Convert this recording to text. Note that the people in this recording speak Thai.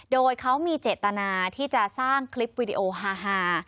โดยเขามีเจตนาที่จะสร้างคลิปวิดีโอฮา